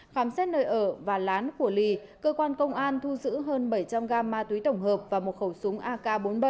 khám xét nơi ở và lán của lì cơ quan công an thu giữ hơn bảy trăm linh gam ma túy tổng hợp và một khẩu súng ak bốn mươi bảy